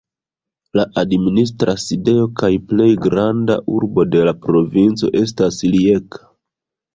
La administra sidejo kaj plej granda urbo de la provinco estas Rijeka.